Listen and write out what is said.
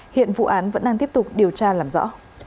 hiện vụ án vẫn đang tiếp tục điều tra làm rõ